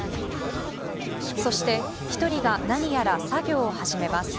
そして１人が何やら作業を始めます。